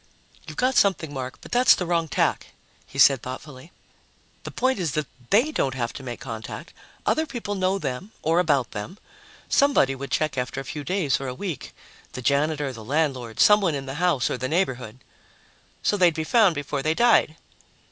"You've got something, Mark, but that's the wrong tack," he said thoughtfully. "The point is that they don't have to make contact; other people know them or about them. Somebody would check after a few days or a week the janitor, the landlord, someone in the house or the neighborhood." "So they'd be found before they died."